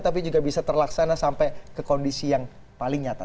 tapi juga bisa terlaksana sampai ke kondisi yang paling nyata